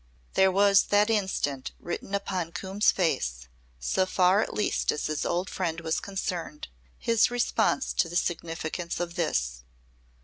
There was that instant written upon Coombe's face so far at least as his old friend was concerned his response to the significance of this.